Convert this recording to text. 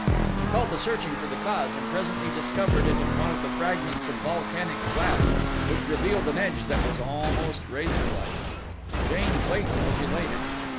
She fell to searching for the cause and presently discovered it in one of the fragments of volcanic glass which revealed an edge that was almost razor like. Jane Clayton was elated.